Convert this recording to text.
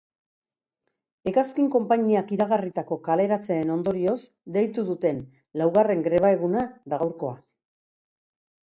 Hegazkin konpainiak iragarritako kaleratzeen ondorioz deitu duten laugarren greba eguna da gaurkoa.